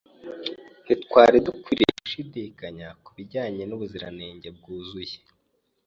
Ntitwari dukwiye gushidikanya ku bijyanye n’ubuziranenge bwuzuye